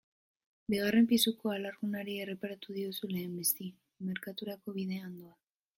Bigarren pisuko alargunari erreparatu diozu lehenbizi, merkaturako bidean doa.